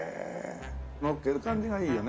のっける感じがいいよね。